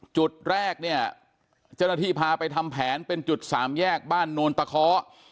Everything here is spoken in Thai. จุดแรกเนี่ยเจ้าหน้าที่พาไปทำแผนเป็นจุดสามแยกบ้านโนนตะเคาะ